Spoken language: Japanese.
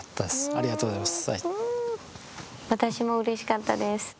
ありがとうございます。